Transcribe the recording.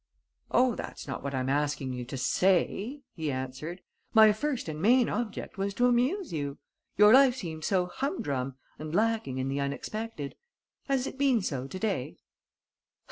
"Oh, that's not what I am asking you to say!" he answered. "My first and main object was to amuse you. Your life seemed so humdrum and lacking in the unexpected. Has it been so to day?"